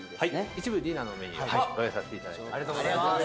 一部ディナーのメニューご用意させていただいてます。